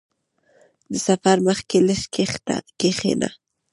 • د سفر مخکې لږ کښېنه.